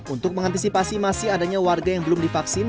untuk mengantisipasi masih adanya warga yang belum divaksin